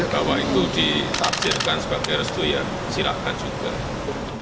bawa itu disaksikan sebagai restu ya silahkan juga